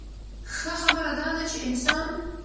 ښۀ خبره دا ده چې انسان